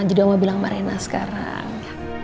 jadi oma bilang sama rena sekarang